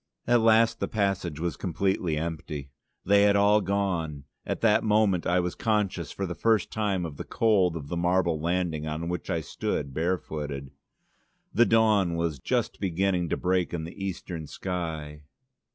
At last the passage was completely empty: they had all gone, and at that moment I was conscious for the first time of the cold of the marble landing on which I stood barefooted. The dawn was just beginning to break in the Eastern sky.